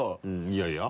いやいや。